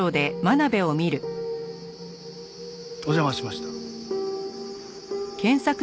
お邪魔しました。